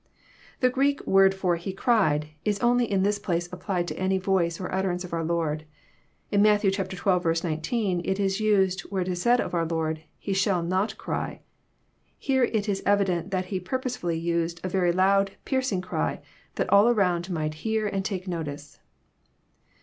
The Greek word for " He cried," is only in this place applied to any voice or utterance of our Loixl. In Matt. xii. 19, it is used, where it is said of our Lord, " He shall no\ cry. Here it is evi dent that He purposely used a very loud, piercing cry, that all around might hear and take notice.